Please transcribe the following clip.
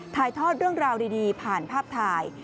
ถ่ายทอดเรื่องราวดีผ่านภาพถ่าย